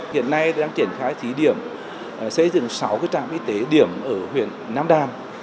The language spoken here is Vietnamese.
hiện nay đang triển khai thí điểm xây dựng sáu trạm y tế điểm ở huyện nam đàn